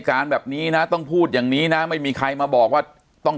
การแบบนี้นะต้องพูดอย่างนี้นะไม่มีใครมาบอกว่าต้อง